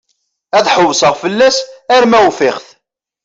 Ad ḥewseɣ fell-as arma ufiɣ-t.